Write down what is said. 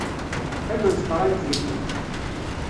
Qqimemt ṭṛankil!